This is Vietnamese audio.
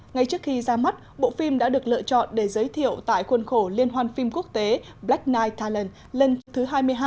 ngay trước khi ra mắt bộ phim đã được lựa chọn để giới thiệu tại khuôn khổ liên hoan phim quốc tế black nigh talent lần thứ hai mươi hai